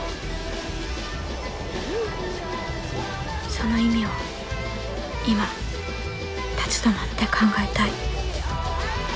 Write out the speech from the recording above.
その意味を今立ち止まって考えたい。